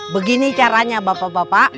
begini caranya bapak bapak